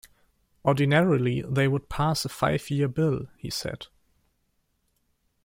Ordinarily they would pass a five year bill, he said.